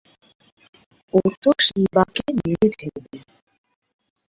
ও তো শিবাকে মেরে ফেলবে।